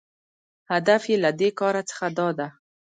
هدف یې له دې کاره څخه داده